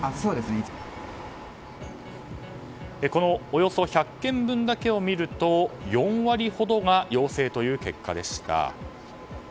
およそ１００件分だけを見ると４割ほどが陽性という結果でした。